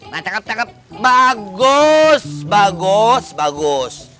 nah cakep cakep bagus bagus bagus